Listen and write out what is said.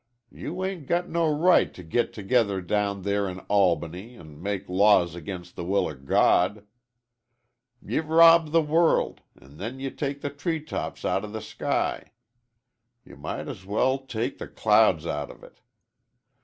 Y you 'ain't no right t' git together down there in Albany an' make laws ag'in' the will o' God. Ye r rob the world when ye take the tree tops out o' the sky. Ye might as well take the clouds out of it.